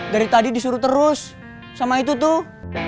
dari tadi disuruh terus sama itu tuh